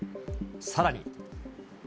さらに。